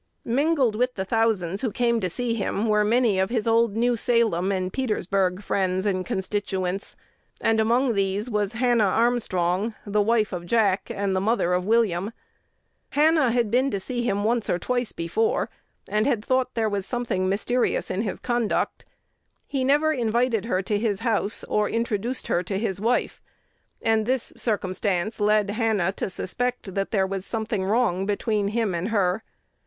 Mingled with the thousands who came to see him were many of his old New Salem and Petersburg friends and constituents; and among these was Hannah Armstrong, the wife of Jack and the mother of William. Hannah had been to see him once or twice before, and had thought there was something mysterious in his conduct. He never invited her to his house, or introduced her to his wife; and this circumstance led Hannah to suspect that "there was something wrong between him and her."